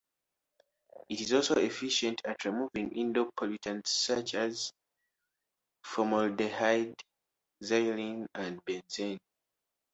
It is also efficient at removing indoor pollutants such as formaldehyde, xylene, and benzene.